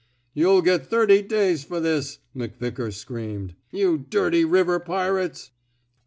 You'll get thirty days for this," McVickar screamed. You dirty river pirates!